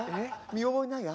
見覚えないわ。